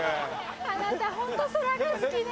あなたホント空が好きね。